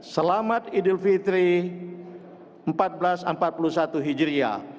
selamat idul fitri seribu empat ratus empat puluh satu hijriah